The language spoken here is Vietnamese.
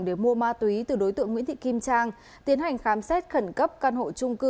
để mua ma túy từ đối tượng nguyễn thị kim trang tiến hành khám xét khẩn cấp căn hộ trung cư